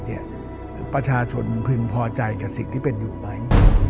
ประชาชนพึงพอใจกับสิ่งที่เป็นอยู่ไหม